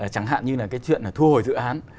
chẳng hạn như là cái chuyện là thu hồi dự án